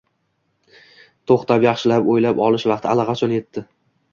To‘xtab, yaxshilab o‘ylab olish vaqti allaqachon yetdi